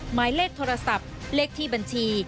หมายเลขโทรศัพท์เลขที่บัญชี